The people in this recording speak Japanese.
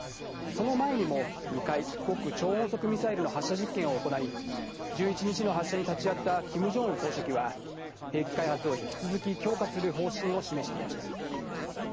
その前にも２回、極超音速ミサイルの発射実験を行い、１１日の発射に立ち会ったキム・ジョンウン総書記は兵器開発を引き続き強化する方針を示していました。